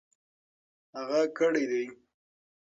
هغه کړېدی .